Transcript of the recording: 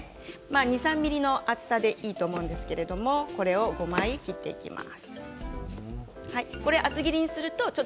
２、３ｍｍの厚さでいいと思うんですけれどこれを５枚切っていきます。